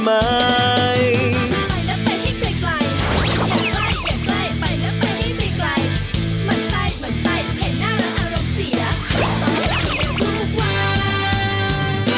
ตอนนี้ทุกวัน